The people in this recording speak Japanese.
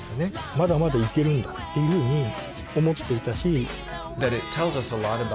まだまだいけるんだっていうふうに思っていたし。